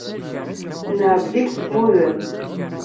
Neɛbed imsemmuden.